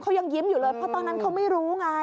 เขายังยิ้มอยู่เลยเพราะตอนนั้นเขาไม่รู้ไง